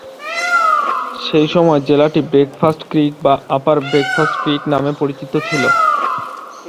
সেই সময় জেলাটি ব্রেকফাস্ট ক্রিক বা আপার ব্রেকফাস্ট ক্রিক নামে পরিচিত ছিল।